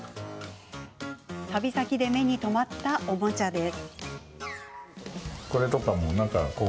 旅先で目に留まったおもちゃです。